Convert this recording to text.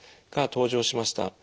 が登場しました。